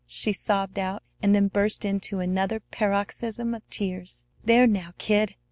she sobbed out, and then burst into another paroxysm of tears. "There! Now, kid!